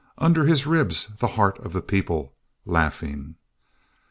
and under his ribs the heart of the people, Laughing!